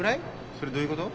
それどういうこと？